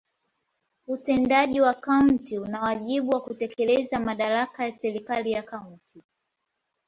Utendaji wa kaunti una wajibu wa kutekeleza madaraka ya serikali ya kaunti.